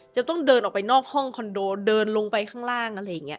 จะต้องเดินออกไปนอกห้องคอนโดเดินลงไปข้างล่างอะไรอย่างนี้